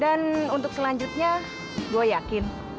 dan untuk selanjutnya gue yakin